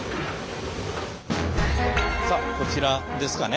さあこちらですかね。